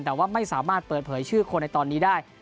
แต่ว่าไม่สามารถเปิดเผยชื่อคนในตอนนี้ได้